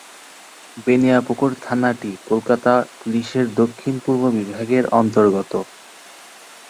বেনিয়াপুকুর থানাটি কলকাতা পুলিশের দক্ষিণ পূর্ব বিভাগের অন্তর্গত।